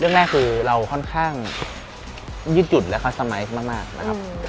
เรื่องแรกคือเราค่อนข้างยืดหยุ่นและเขาสมัยมากนะครับ